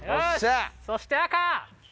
そして赤！